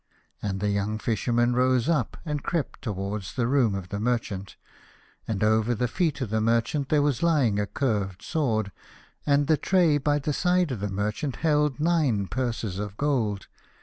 And the young Fisherman rose up and crept towards the room of the merchant, and over the feet of the merchant there was lying a curved sword, and the tray by the side of the Q 1 1 3 A House of Pomegranates. merchant held nine purses of gold.